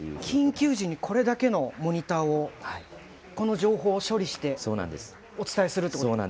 緊急時にこれだけのモニターをこの情報を処理してお伝えすると。